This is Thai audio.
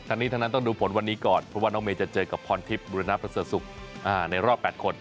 ทันนี้ทั้งนั้นต้องดูผลวันนี้ก่อนเพราะว่าน้องเมย์จะเจอกับฟอนธิปดิ์รินัฐพัศนสุขในรอบ๘คน